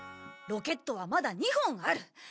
ロケットはまだ２本ある。